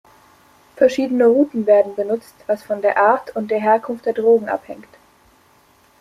Verschiedene Routen werden benutzt, was von der Art und der Herkunft der Drogen abhängt.